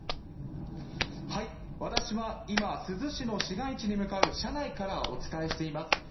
私は今珠洲市の市街地に向かう車内からお伝えしています。